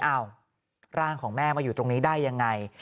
อ้าวร่างของแม่มาอยู่ตรงนี้ได้ยังไง